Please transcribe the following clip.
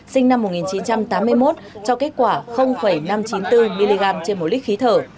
sinh năm một nghìn chín trăm tám mươi một cho kết quả năm trăm chín mươi bốn mg trên một lít khí thở